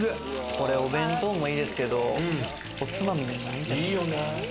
これお弁当もいいですけど、おつまみにもいいんじゃないですか。